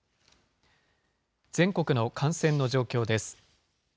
全国の感染の状況です。